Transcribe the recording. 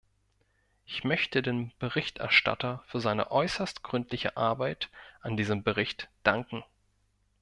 Ich möchte dem Berichterstatter für seine äußerst gründliche Arbeit an diesem Bericht danken.